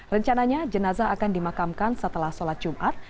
rencananya jenazah akan dimakamkan setelah sholat jumat